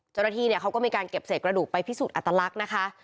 เจ้าหน้าที่เนี่ยเขาก็มีการเก็บเศษกระดูกไปพิสูจนอัตลักษณ์นะคะ